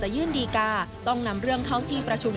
ยื่นดีกาต้องนำเรื่องเข้าที่ประชุม